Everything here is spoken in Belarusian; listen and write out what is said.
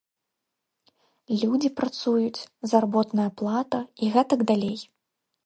Людзі працуюць, заработная плата, і гэтак далей.